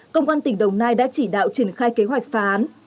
công an tỉnh đồng nai đã chỉ đạo triển khai kế hoạch phá án